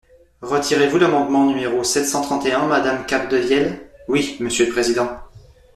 Retirez-vous l’amendement numéro sept cent trente et un, madame Capdevielle ? Oui, monsieur le président.